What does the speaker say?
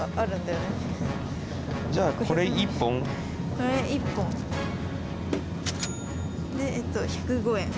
これ１本。でえっと１０５円。